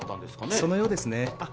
そのようですねあっ